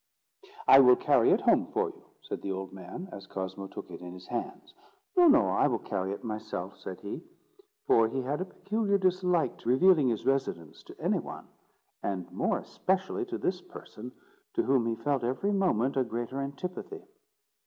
"I will carry it home for you," said the old man, as Cosmo took it in his hands. "No, no; I will carry it myself," said he; for he had a peculiar dislike to revealing his residence to any one, and more especially to this person, to whom he felt every moment a greater antipathy.